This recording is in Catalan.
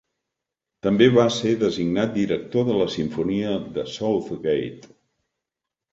També va ser designat director de la Simfonia de Southgate.